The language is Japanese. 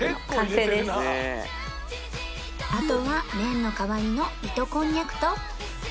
あとは麺の代わりの糸コンニャクと